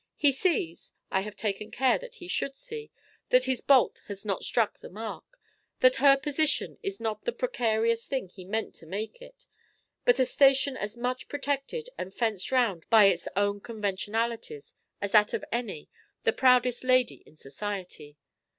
He sees I have taken care that he should see that his bolt has not struck the mark; that her position is not the precarious thing he meant to make it, but a station as much protected and fenced round by its own conventionalities as that of any, the proudest lady in society.